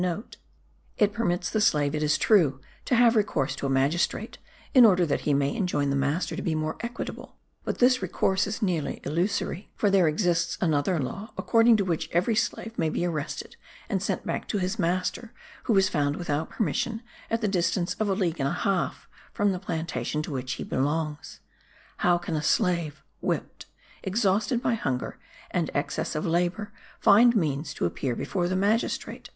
It permits the slave, it is true, to have recourse to a magistrate, in order that he may enjoin the master to be more equitable; but this recourse is nearly illusory; for there exists another law according to which every slave may be arrested and sent back to his master who is found without permission at the distance of a league and a half from the plantation to which he belongs. How can a slave, whipped, exhausted by hunger, and excess of labour, find means to appear before the magistrate?